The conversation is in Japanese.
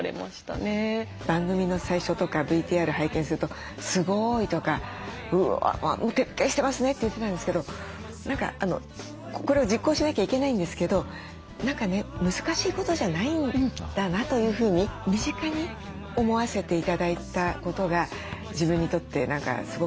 番組の最初とかＶＴＲ拝見すると「すごい」とか「うわ徹底してますね」って言ってたんですけど何かこれを実行しなきゃいけないんですけど何かね難しいことじゃないんだなというふうに身近に思わせて頂いたことが自分にとって何かすごく大きかった。